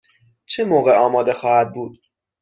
چه موقع آماده خواهد بود؟